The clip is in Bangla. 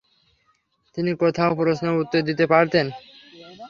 তিনি কোনও প্রশ্নের উত্তর দিতে পারতেন।